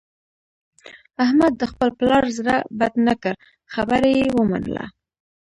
احمد د خپل پلار زړه بد نه کړ، خبره یې ومنله.